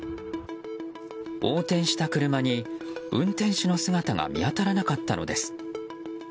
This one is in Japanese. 横転した車に、運転手の姿が見当たらなかったのです。